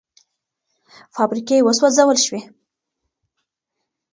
فابریکې وسوځول شوې.